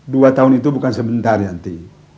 dua tahun itu bukan sebentar ya nanti